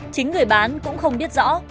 chính người bán cũng không biết rõ